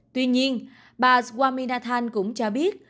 tuy nhiên bà swaminathan cũng cho biết